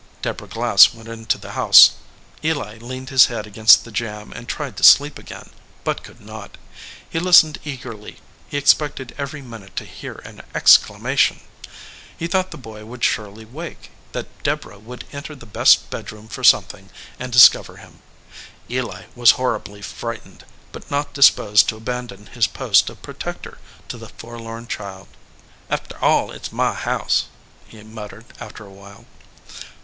Deborah Glass went into the house. EH leaned his head against the jamb and tried to sleep again, but could not. He listened eagerly. He expected every minute to hear an exclamation. He thought the boy would surely wake, that Deborah would enter the best bedroom for something and discover him. Eli was horribly frightened, but not disposed to abandon his post of protector to the forlorn child. "Arter all, it s my house," he muttered, after a while.